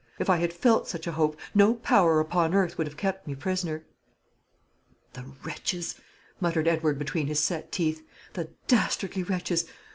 If I had felt such a hope, no power upon earth would have kept me prisoner." "The wretches!" muttered Edward between his set teeth; "the dastardly wretches!